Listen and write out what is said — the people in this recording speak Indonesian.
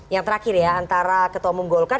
yang terakhir ya antara ketua umum golkar